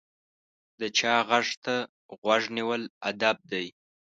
د چا غږ ته غوږ نیول ادب دی.